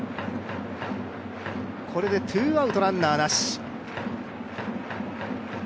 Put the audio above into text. これでツーアウトランナーなし。